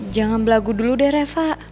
jangan belagu dulu deh reva